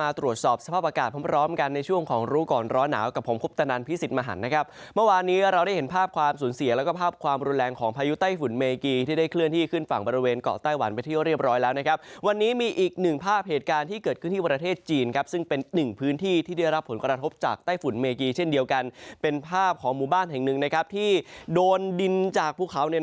มาตรวจสอบสภาพอากาศพร้อมกันในช่วงของรู้ก่อนแร้น